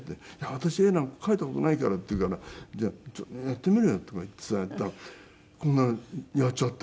「私絵なんか描いた事ないから」って言うから「じゃあちょっとやってみろよ」とか言ってさやったらこんなんやっちゃって。